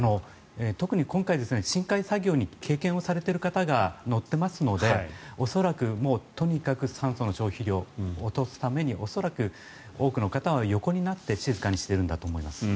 特に今回深海作業の経験をされている方が乗っていますので恐らく、とにかく酸素の消費量を落とすために恐らく多くの方は横になって静かにしているんだと思います。